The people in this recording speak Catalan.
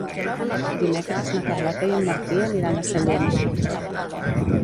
Dimecres na Carlota i en Martí aniran a Sellent.